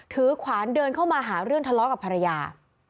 ขวานเดินเข้ามาหาเรื่องทะเลาะกับภรรยา